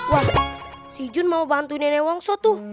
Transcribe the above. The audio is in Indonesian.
wah si jun mau bantu nenek wongso tuh